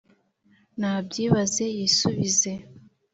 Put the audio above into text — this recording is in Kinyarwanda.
nabyibaze yisubize